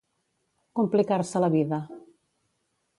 Complicar-se la vida.